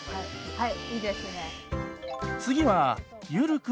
はい。